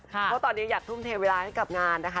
เพราะตอนนี้อยากทุ่มเทเวลาให้กับงานนะคะ